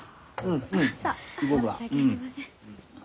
あっ申し訳ありません。